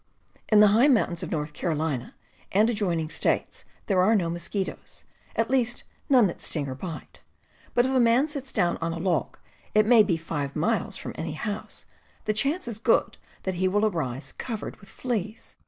In the high mountains of North Carolina and ad joining states there are no mosquitoes, at least none that sting or bite; but if a man sits down on a log, it may be five miles from any house, the chance is good that he will arise covered with fleas.